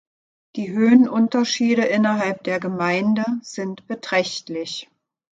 Die Höhenunterschiede innerhalb der Gemeinde sind beträchtlich.